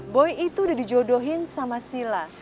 boy itu udah dijodohin sama sila